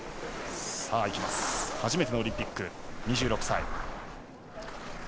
初めてのオリンピック、２６歳。